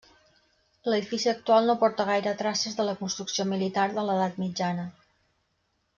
L'edifici actual no porta gaire traces de la construcció militar de l'edat mitjana.